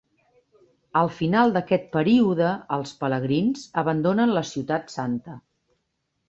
Al final d'aquest període, els pelegrins abandonen la ciutat santa.